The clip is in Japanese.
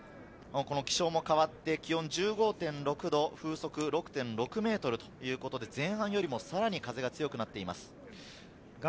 気象も変わって、気温１５．６度、風速６．６メートルということで、前半よりもさらに風が強くなっています。